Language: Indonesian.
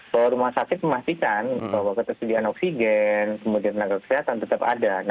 bahwa rumah sakit memastikan bahwa ketersediaan oksigen kemudian tenaga kesehatan tetap ada